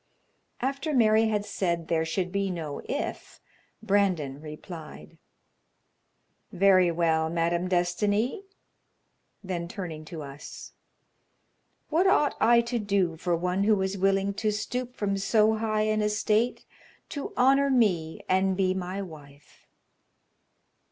After Mary had said there should be no "if," Brandon replied: "Very well, Madame Destiny." Then turning to us: "What ought I to do for one who is willing to stoop from so high an estate to honor me and be my wife?"